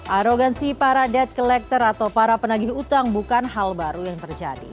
arogansi para debt collector atau para penagih utang bukan hal baru yang terjadi